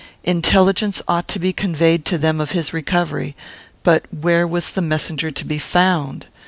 Intelligence ought to be conveyed to them of his recovery. But where was the messenger to be found?